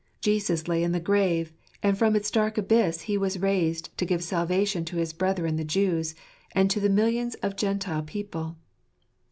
Jesus lay in the grave ; and from its dark abyss He was raised to give salvation to his brethren the Jews, and to the millions of Gentile people.